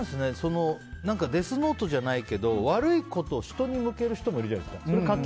デスノートじゃないけど悪いことを人に向ける人もいるじゃないですか。